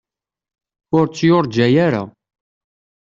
Ur tt-yurǧa ara.